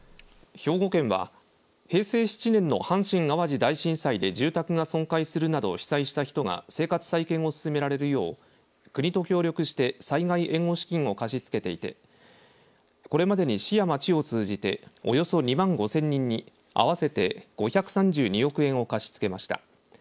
兵庫県は平成７年の阪神・淡路大震災で住宅が損壊するなど被災した人が生活再建を進められるよう国と協力して災害援護資金を貸し付けていてこれまでに市や町を通じておよそ２万５０００人に合わせて５３２億円を貸し付けました。